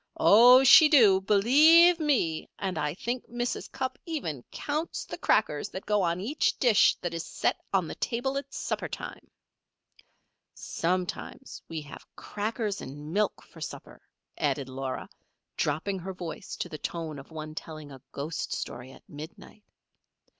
Oh, she do believe me! And I think Mrs. Cupp even counts the crackers that go on each dish that is set on the table at supper time. "Sometimes we have crackers and milk for supper," added Laura, dropping her voice to the tone of one telling a ghost story at midnight.